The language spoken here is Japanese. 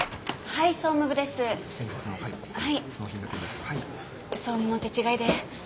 はい総務の手違いで。